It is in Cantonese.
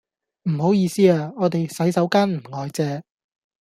唔好意思啊，我哋洗手間唔外借。